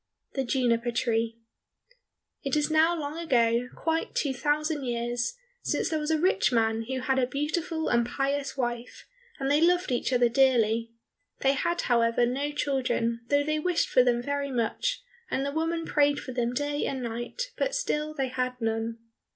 47 The Juniper Tree It is now long ago, quite two thousand years, since there was a rich man who had a beautiful and pious wife, and they loved each other dearly. They had, however, no children, though they wished for them very much, and the woman prayed for them day and night, but still they had none.